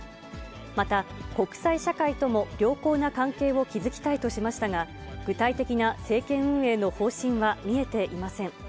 また、国際社会とも良好な関係を築きたいとしましたが、具体的な政権運営の方針は見えていません。